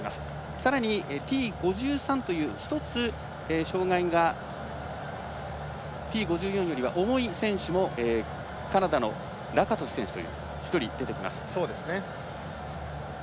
さらにＴ５３という１つ障がいがＴ５４よりも重い選手もカナダのラカトシュという選手にも１人、出てきます。